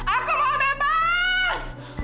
aku mau bebas